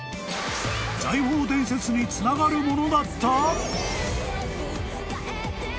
［財宝伝説につながるものだった！？］